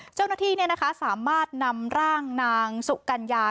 เจ้าหน้าที่สามารถนำร่างนางสุกัญญา